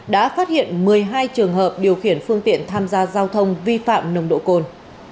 đã phát hiện một mươi hai trường hợp điều khiển phương tiện tham gia giao thông vi phạm nồng độ cồn